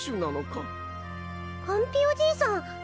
かんぴよじいさん！